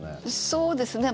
そうですね。